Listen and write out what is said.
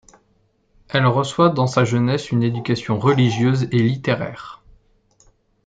Elle reçoit dans sa jeunesse une éducation religieuse et littéraire.